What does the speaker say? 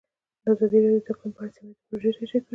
ازادي راډیو د اقلیم په اړه سیمه ییزې پروژې تشریح کړې.